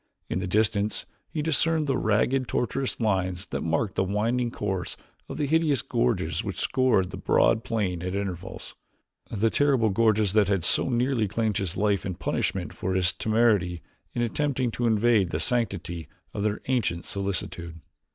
In the distance he discerned the ragged tortuous lines that marked the winding course of the hideous gorges which scored the broad plain at intervals the terrible gorges that had so nearly claimed his life in punishment for his temerity in attempting to invade the sanctity of their ancient solitude.